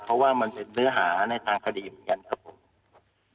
เพราะว่ามันเป็นเนื้อหาในทางคดีเหมือนกันครับผม